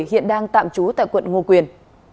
hiện đang tạm trú tại quận ngô quyền